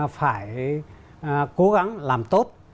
phải cố gắng làm tốt